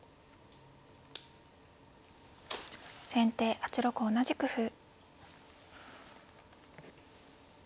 先手８六同じく歩。